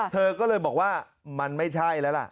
เธอก็เลยบอกว่ามันไม่ใช่แล้วล่ะ